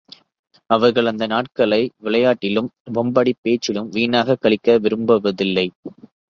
அவர்கள் அந்த நாட்களை விளையாட்டிலும், வம்படிப் பேச்சிலும் வீணாகக் கழிக்க விரும்புவதில்லை.